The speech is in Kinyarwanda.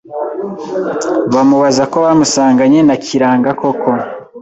bamubaza ko bamusanganye na Kiranga koko